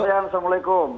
pak sofian assalamualaikum